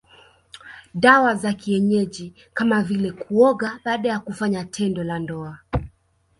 Dawa za kienyeji kama vile kuoga baada ya kufanya tendo la ndoa